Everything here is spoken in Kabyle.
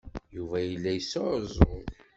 Yuba yella yesɛuẓẓug.